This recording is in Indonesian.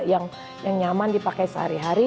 yang nyaman dipakai sehari hari